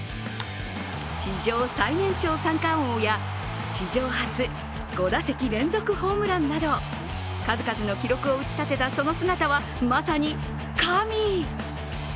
史上最年少三冠王や史上初５打席連続ホームランなど数々の記録を打ち立てたその姿は、まさに神。